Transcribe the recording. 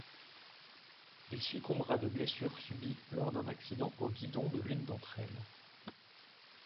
Il succombera de blessures subies lors d'un accident au guidon de l'une d'entre elles.